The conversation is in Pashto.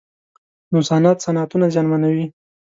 نوسانات صنعتونه زیانمنوي.